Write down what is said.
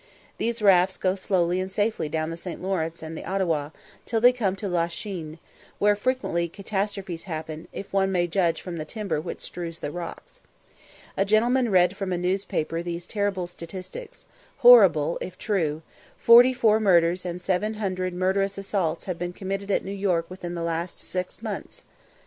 These rafts go slowly and safely down the St. Lawrence and the Ottawa, till they come to La Chine, where frequent catastrophes happen, if one may judge from the timber which strews the rocks. A gentleman read from a newspaper these terrible statistics, "horrible if true," "Forty four murders and seven hundred murderous assaults have been committed at New York within the last six months."